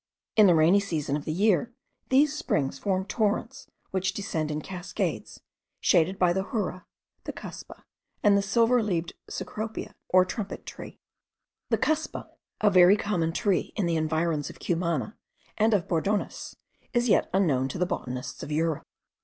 In the rainy season of the year, these springs form torrents, which descend in cascades, shaded by the hura, the cuspa, and the silver leaved cecropia or trumpet tree. The cuspa, a very common tree in the environs of Cumana and of Bordones, is yet unknown to the botanists of Europe.